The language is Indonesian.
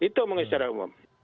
itu secara umum